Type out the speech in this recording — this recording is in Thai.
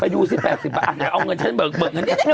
ไปอยู่สิ๘๐บาทอะเอาเงินฉันเบิกเนี่ย